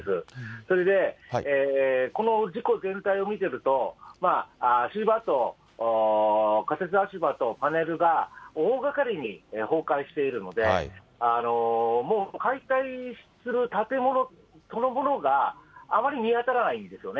それで、この事故全体を見てると、足場と、仮設足場とパネルが大がかりに崩壊しているので、もう解体する建物そのものが、あまり見当たらないんですよね。